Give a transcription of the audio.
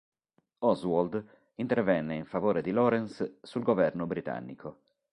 Oswald intervenne in favore di Laurens sul governo britannico.